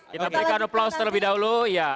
kita berikan aplaus terlebih dahulu